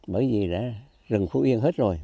bởi vì đã rừng phú yên hết rồi